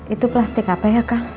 itu plastik apa ya kak